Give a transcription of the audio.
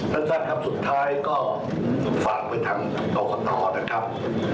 ท่านท่านครับสุดท้ายก็ฝากไว้ท่านโตขตรนะครับ